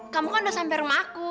kamu kan udah sampe rumah aku